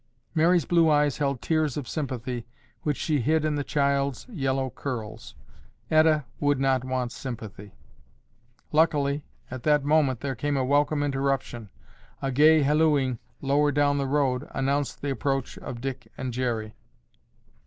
Mary's blue eyes held tears of sympathy which she hid in the child's yellow curls. Etta would not want sympathy. Luckily at that moment there came a welcome interruption. A gay hallooing lower down the road announced the approach of Dick and Jerry.